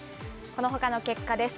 このほかの結果です。